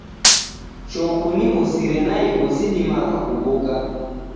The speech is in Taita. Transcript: Choo kuniw'usire naighu sidimagha kuw'uka